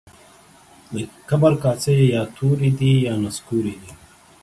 د کبر کاسې يا توري دي يا نسکوري دي.